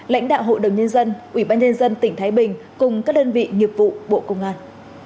lãnh đạo hội đồng nhân dân ủy ban nhân dân tỉnh thái bình cùng các đơn vị nghiệp vụ bộ công an